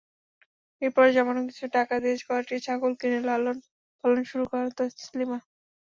এরপর জমানো কিছু টাকা দিয়ে কয়েকটি ছাগল কিনে লালন-পালন শুরু করেন তাসলিমা।